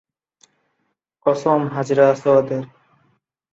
কসম হাজরে আসওয়াদের।